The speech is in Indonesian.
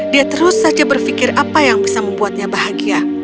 dia terus saja berpikir apa yang bisa membuatnya bahagia